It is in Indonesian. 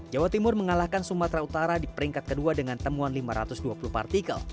jawa timur mengalahkan sumatera utara di peringkat kedua dengan temuan lima ratus dua puluh partikel